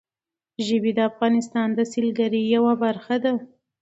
ژبې د افغانستان د سیلګرۍ یوه برخه ده.